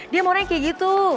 dia mau renek kayak gitu